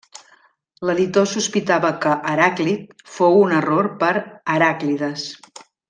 L'editor sospitava que Heràclit fou un error per Heràclides.